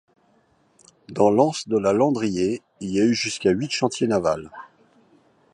Dans l'anse de La Landriais, il y eu jusqu’à huit chantiers navals.